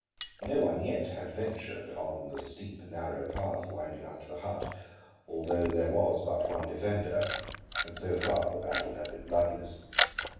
No one yet had ventured on the steep, narrow path winding up to the hut, although there was but one defender, and so far the battle had been bloodless.